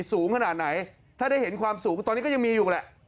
สูงขนาดไหนถ้าได้เห็นความสูงตอนนี้ก็ยังมีอยู่แหละ